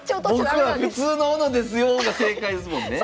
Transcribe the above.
僕のは普通の斧ですよが正解ですもんね。